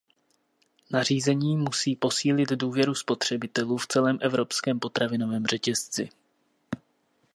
Nařízení musí posílit důvěru spotřebitelů v celém evropském potravinovém řetězci.